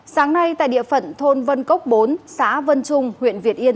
sáng nay tại địa phận thôn vân cốc bốn xã vân trung huyện việt yên